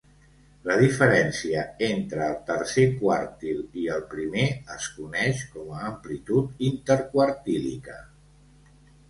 La diferència entre el tercer quartil i el primer es coneix com a amplitud interquartílica.